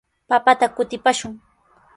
Papata kutipaashun.